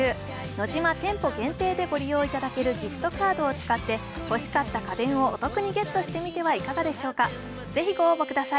ノジマ店舗限定でご利用いただけるギフトカードを使って欲しかった家電をお得にゲットしてみてはいかがでしょうか。